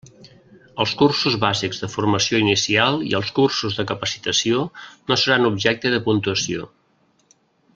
Els cursos bàsics de formació inicial i els cursos de capacitació no seran objecte de puntuació.